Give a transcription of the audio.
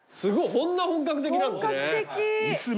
こんな本格的なんですね。